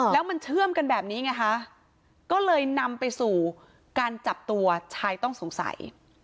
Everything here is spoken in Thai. แล้วมันเชื่อมกันแบบนี้ไงคะก็เลยนำไปสู่การจับตัวชายต้องสงสัย